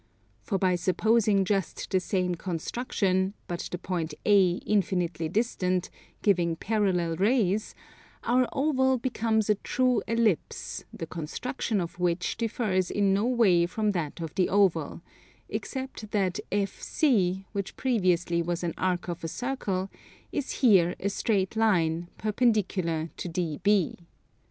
For by supposing just the same construction, but the point A infinitely distant, giving parallel rays, our oval becomes a true Ellipse, the construction of which differs in no way from that of the oval, except that FC, which previously was an arc of a circle, is here a straight line, perpendicular to DB.